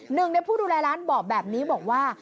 หนึ่งในผู้ดูแลร้านบอกแบบนี้บอกว่า